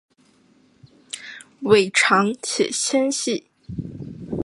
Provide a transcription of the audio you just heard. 尾长且纤细。